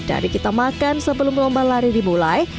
dari kita makan sebelum lomba lari dimulai